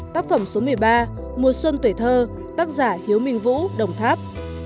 tác phẩm số một mươi ba mùa xuân tuổi thơ tác giả hiếu minh vũ đồng tháp